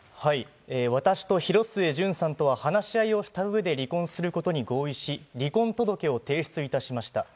私と広末順さんとは話し合いをしたうえで離婚することに合意し、離婚届を提出いたしました。